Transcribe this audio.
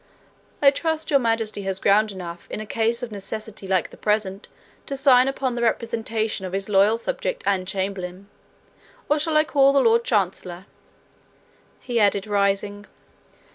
'I trust Your Majesty has ground enough, in a case of necessity like the present, to sign upon the representation of his loyal subject and chamberlain? Or shall I call the lord chancellor?' he added, rising.